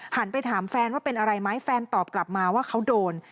ไปถามแฟนว่าเป็นอะไรไหมแฟนตอบกลับมาว่าเขาโดน